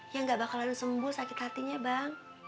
yang gak bakalan sembuh sakit hatinya bang